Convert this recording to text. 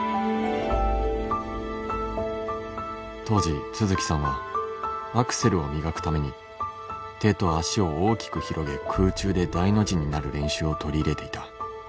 当時都築さんはアクセルを磨くために手と足を大きく広げ空中で大の字になる練習を取り入れていた。